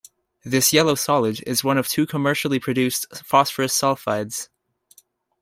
This yellow solid is one of two commercially produced phosphorus sulfides.